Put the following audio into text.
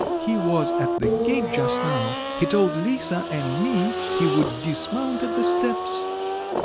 "He was at the gate just now, he told Lisa and me he would dismount at the steps."